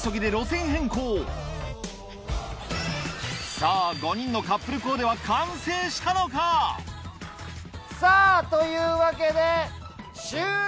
さぁ５人のカップルコーデは完成したのか⁉さぁというわけで終了！